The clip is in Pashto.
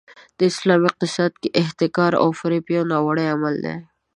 د اسلام اقتصاد کې احتکار او فریب یو ناروا عمل دی.